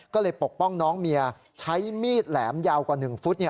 ก็เลยปกป้องน้องเมียใช้มีดแหลมยาวกว่า๑ฟุต